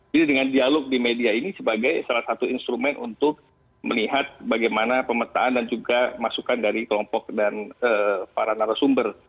jadi dengan dialog di media ini sebagai salah satu instrumen untuk melihat bagaimana pemertaan dan juga masukan dari kelompok dan para narasumber